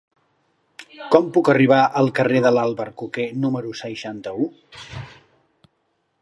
Com puc arribar al carrer de l'Albercoquer número seixanta-u?